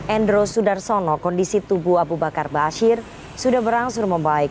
endro sudarsono kondisi tubuh abu bakar basir sudah berangsur membaik